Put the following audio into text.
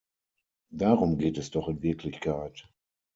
Darum geht es doch in Wirklichkeit.